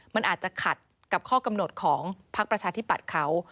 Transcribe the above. มันอาจจะขัดกับข้อกำหนดของพักประชาธิปัตย์เขา